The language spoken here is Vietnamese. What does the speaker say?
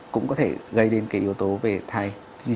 cũng có thể gây đến cái yếu tố về thai